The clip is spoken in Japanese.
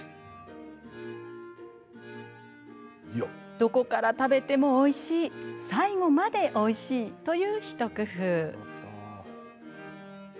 どこから食べてもおいしい最後までおいしいという一工夫。